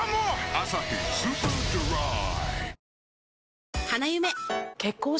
「アサヒスーパードライ」